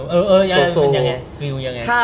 เอออย่างไร